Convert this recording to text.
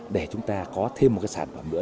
để chúng ta có thêm một sản phẩm nữa